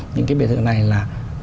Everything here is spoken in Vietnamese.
những cái biệt thự này là